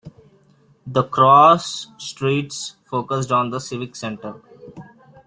The crossstreets focused on the civic center.